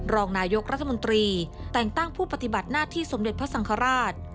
รองนายกรัฐมนตรีแต่งตั้งผู้ปฏิบัติหน้าที่สมเด็จพระสังฆราช